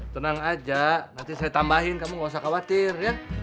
tenang aja nanti saya tambahin kamu gak usah khawatir ya